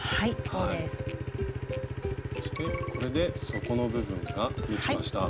そしてこれで底の部分ができました。